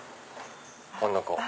この子。